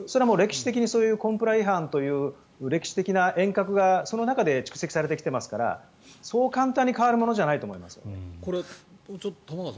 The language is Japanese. それは歴史的にコンプラ違反という歴史的な沿革が、その中で蓄積されてきていますからそう簡単に変わるものではないと思います。